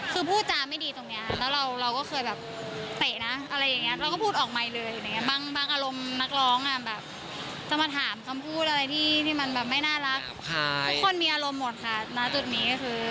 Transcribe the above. คือพูดจาไม่ดีตรงนี้แล้วเราเราก็เคยแบบแต๊ะนะอะไรอย่างงี้